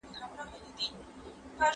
موږ د منفي سوالونه حلوو.